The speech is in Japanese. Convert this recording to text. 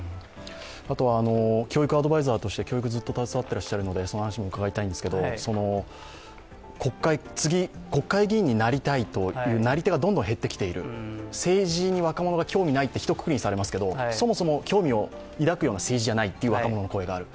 あとは教育アドバイザーとして教育に携わっていますのでそのお話を伺いますけど次、国会議員になりたいというなり手がどんどん減ってきている政治に若者が興味がないとひとくくりにされますけど、そもそも興味を抱く政治ではないという若者の声がある。